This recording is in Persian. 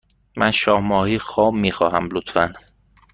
من شاه ماهی خام می خواهم، لطفا.